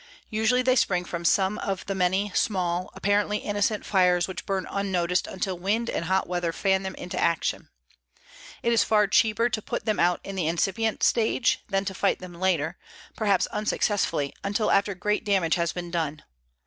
Usually they spring from some of the many small, apparently innocent fires which burn unnoticed until wind and hot weather fan them into action. It is far cheaper to put them out in the incipient stage than to fight them later, perhaps unsuccessfully until after great damage has been done.